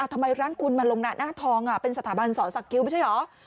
ทำไมร้านคุณมาลงหน้าทองเป็นสถาบันสอนสักคิ้วไม่ใช่เหรอ